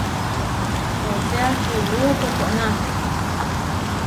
Hoseá kuú kokóna.